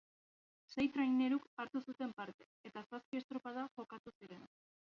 Sei traineruk hartu zuten parte eta zazpi estropada jokatu ziren.